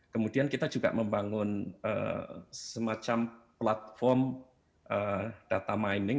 kemudian kita juga membangun semacam platform data mining